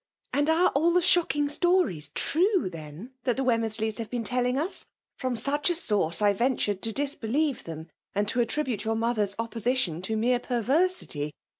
^" And are all the shocking stories true, the«> that the Wemmcrsleys have been telling us? From such a source, I ventured to disbelieve tbem^ and to attribute your mother's opposi tion to mere perversity.